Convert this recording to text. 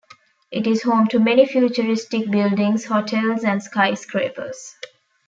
It is home to many futuristic buildings, hotels and skyscrapers.